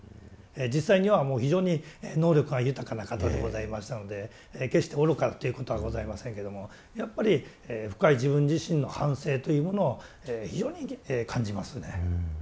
実際には非常に能力が豊かな方でございましたので決して愚かということはございませんけどもやっぱり深い自分自身の反省というものを非常に感じますね。